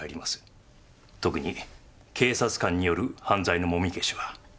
特に警察官による犯罪のもみ消しは。